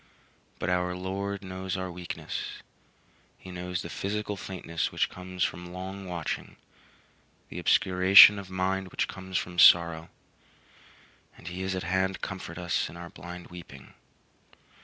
But our Lord knows our weakness; he knows the physical faintness which comes from long watching, the obscuration of mind which comes from sorrow, and he is at hand to comfort us in our blind weeping.